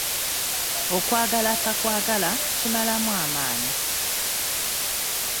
Okwagala atakwagala kimalamu amaanyi.